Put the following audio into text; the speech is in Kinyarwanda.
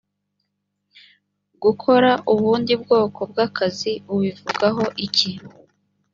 gukora ubundi bwoko bw’akazi ubivugaho iki ‽